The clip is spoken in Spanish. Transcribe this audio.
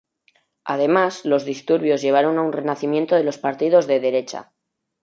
Además, los disturbios llevaron a un renacimiento de los partidos de derecha.